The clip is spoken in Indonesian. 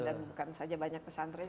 dan bukan saja banyak pesantren